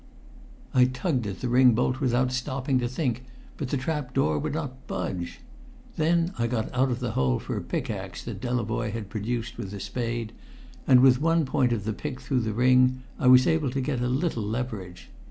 I tugged at the ring bolt without stopping to think; but the trap door would not budge. Then I got out of the hole for a pickaxe that Delavoye had produced with the spade, and with one point of the pick through the ring I was able to get a little leverage.